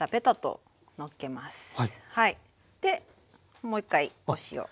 でもう一回お塩。